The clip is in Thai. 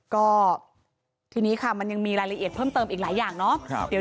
ก็ทีนี้ค่ะมันยังมีรายละเอียดเพิ่มเติมอีกหลายอย่างเนาะ